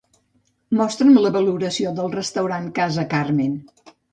Mostra'm la valoració del restaurant Casa Carmen.